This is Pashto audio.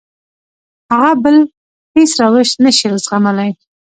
هغه بل هېڅ روش نه شي زغملی.